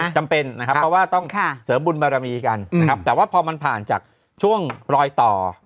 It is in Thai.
จำเป็นนะครับเพราะว่าต้องเสริมบุญบารมีกันนะครับแต่ว่าพอมันผ่านจากช่วงรอยต่อ